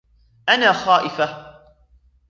أنا خائفة.